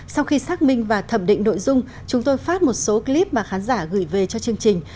sau khi xác minh và thẩm định nội dung chúng tôi phát một số clip mà khán giả gửi về cho chương trình